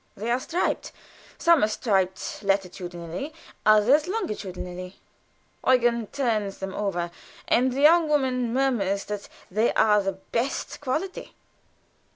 They are striped; some are striped latitudinally, others longitudinally. Eugen turns them over, and the young woman murmurs that they are of the best quality.